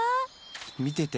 みてて。